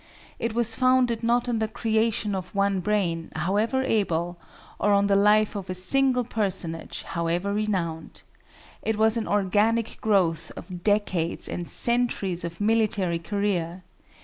It was founded not on the creation of one brain, however able, or on the life of a single personage, however renowned. It was an organic growth of decades and centuries of military career.